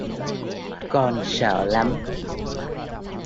Con sợ lắm